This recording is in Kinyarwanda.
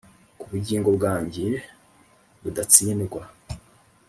kubugingo bwanjye budatsindwa.